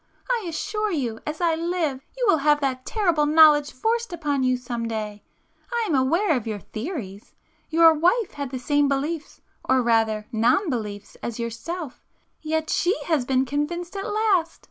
I assure you, as I live, you will have that terrible knowledge forced upon you some day! I am aware of your theories,—your wife had the same beliefs or rather non beliefs as yourself,—yet she has been convinced at last!